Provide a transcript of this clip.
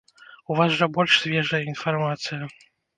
У вас жа больш свежая інфармацыя!